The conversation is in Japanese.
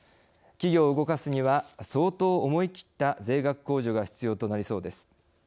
企業を動かすには相当思い切った税額控除が必要となりそうです。